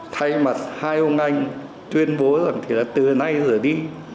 thay mặt hai ông anh tuyên bố rằng từ nay giờ đi